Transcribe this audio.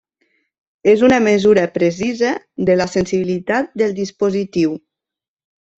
És una mesura precisa de la sensibilitat del dispositiu.